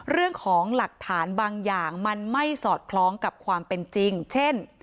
เรื่องของหลักฐานบางอย่างมันไม่สอดคล้องกับความเป็นจริงเช่น